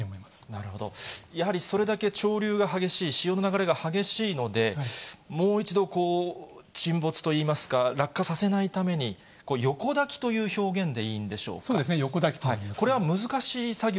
なるほど、やはり、それだけ潮流が激しい、潮の流れが激しいので、もう一度、沈没といいますか、落下させないために、横抱きという表現でいいんでしょうか。